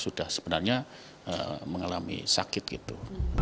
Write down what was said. sudah sebenarnya mengalami sakit gitu